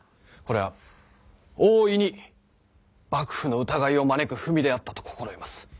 これは大いに幕府の疑いを招く文であったと心得ます。